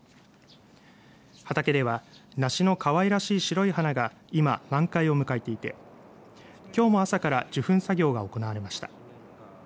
畑ではナシのかわいらしい白い花が今、満開を迎えていてきょうも朝から受粉作業が行われました。